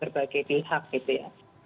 berbagai bilhah gitu ya